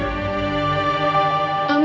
あの。